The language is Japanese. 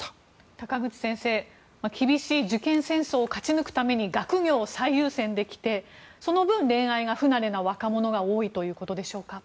高口先生、厳しい受験戦争を勝ち抜くために学業を最優先に生きてきてその分、恋愛が不慣れな若者が多いということでしょうか。